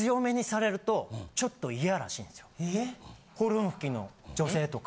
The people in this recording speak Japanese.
・え・ホルン吹きの女性とか。